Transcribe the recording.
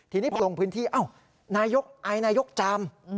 ทีนี้มาลงพื้นที่นายกอายนายกจาม